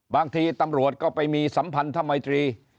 บางทีตำรวจก็ไปมีสัมพันธมัยตรี